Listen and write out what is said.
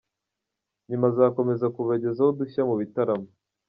Nyuma azakomeza kubagezaho udushya mu bitaramo.